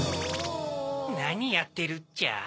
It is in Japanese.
なにやってるっちゃ？